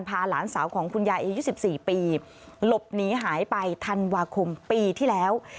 หลานสาวของคุณยายอายุ๑๔ปีหลบหนีหายไปธันวาคมปีที่แล้ว